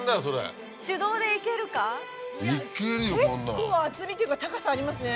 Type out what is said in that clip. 結構厚みっていうか高さありますね。